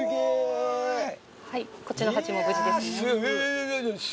はいこっちのハチも無事です。